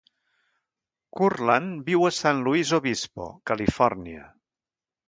Kurland viu a San Luis Obispo, Califòrnia.